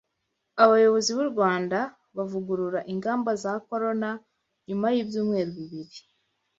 Abayobozi b’u Rwanda bavugurura ingamba za corono nyuma y’ibyumeru bibiri